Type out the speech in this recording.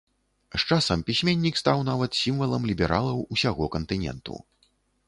З часам пісьменнік стаў нават сімвалам лібералаў усяго кантыненту.